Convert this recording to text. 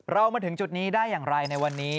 เรามาถึงจุดนี้ได้อย่างไรในวันนี้